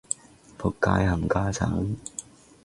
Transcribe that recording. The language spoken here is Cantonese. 僕街冚家鏟